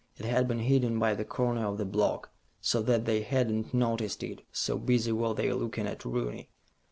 It had been hidden by the corner of the block, so that they had not noticed it, so busy were they looking at Rooney.